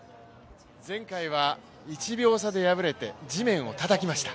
前回は１秒差で敗れて、地面をたたきました。